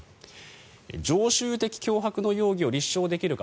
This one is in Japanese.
常習的脅迫の容疑を立証できるか